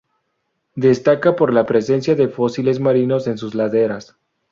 Destaca por la presencia de fósiles marinos en sus laderas.